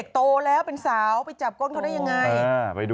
โตแล้วเป็นสาวไปจับก้นเขาได้ยังไง